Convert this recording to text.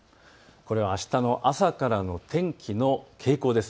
これはあしたの朝からの天気の傾向です。